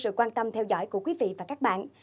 sự quan tâm theo dõi của quý vị và các bạn